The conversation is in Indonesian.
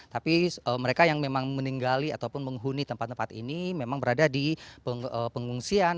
tapi mereka yang memang meninggali ataupun menghuni tempat tempat ini memang berada di pengungsian